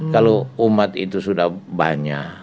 kalau umat itu sudah banyak